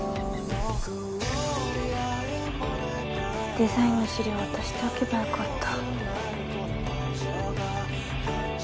デザインの資料渡しておけばよかった。